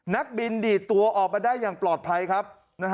นักบินดีดตัวออกมาได้อย่างปลอดภัยครับ